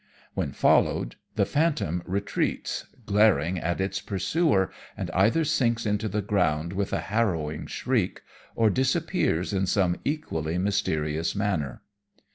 When followed the phantom retreats, glaring at its pursuer, and either sinks into the ground with a harrowing shriek, or disappears in some equally mysterious manner.